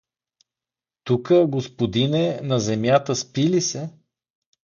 — Тука, господине, на земята спи ли се?